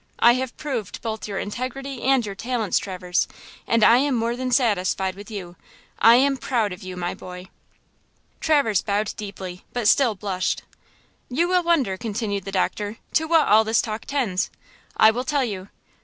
I have proved both your integrity and your talents, Traverse, and I am more than satisfied with you–I am proud of you, my boy." Traverse bowed deeply, but still blushed. "You will wonder," continued the doctor, "to what all this talk tends. I will tell you.